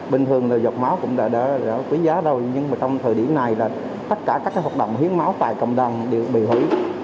bình thường là giọt máu cũng đã quý giá rồi nhưng mà trong thời điểm này là tất cả các hoạt động hiến máu tại cộng đồng đều bị hủy